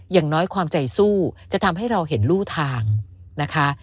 อย่างน้อยความใจสู้จะทำให้เราเห็นรูทางนะคะ